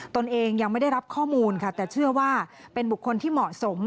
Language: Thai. ตนเองยังไม่ได้รับข้อมูลค่ะแต่เชื่อว่าเป็นบุคคลที่เหมาะสม